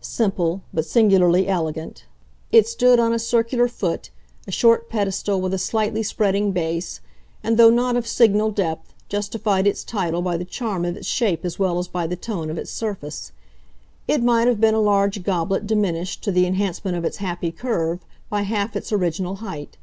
Simple, but singularly elegant, it stood on a circular foot, a short pedestal with a slightly spreading base, and, though not of signal depth, justified its title by the charm of its shape as well as by the tone of its surface. It might have been a large goblet diminished, to the enhancement of its happy curve, by half its original height.